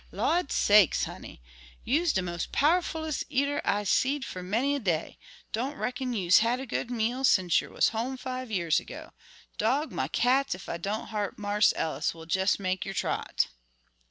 "Lawd sakes, honey; you's de mos' pow'rfulles' eater I'se seed fer many a day. Don' reckon you's had a good meal sence yer was home five years ago. Dog my cats ef I don' hope Marse Ellis will jes' make yer trot."